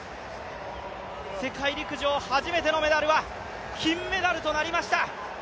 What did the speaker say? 世界陸上初めてのメダルは金メダルとなりました。